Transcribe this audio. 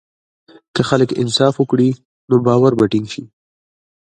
که خلک انصاف وکړي، نو باور به ټینګ شي.